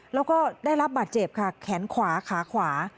แล้วก็ได้รับบาดเจ็บค่ะแขนขวาขาขวา